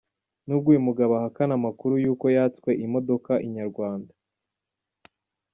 N’ubwo uyu mugabo ahakana amakuru y’uko yatswe imodoka, inyarwanda.